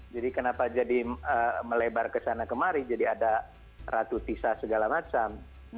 karena sudah jadi melebar kesana kemari jadi ada ratu tisha segala macam